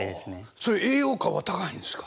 それ栄養価は高いんですか？